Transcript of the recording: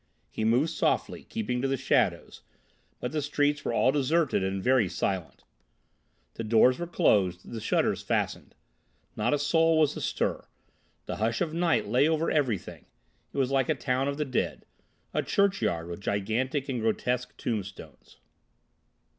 He moved softly, keeping to the shadows; but the streets were all deserted and very silent; the doors were closed, the shutters fastened. Not a soul was astir. The hush of night lay over everything; it was like a town of the dead, a churchyard with gigantic and grotesque tombstones.